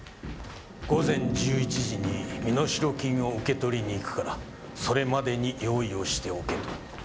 午前１１時に身代金を受け取りに行くからそれまでに用意をしておけって。